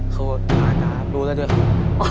คือผ่านตาครับรู้แล้วด้วยครับ